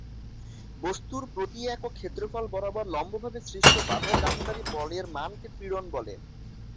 বস্তুর প্রতি একক ক্ষেত্রফল বরাবর লম্বভাবে সৃষ্ট বাধা দানকারী বলের মানকে পীড়ন বলে।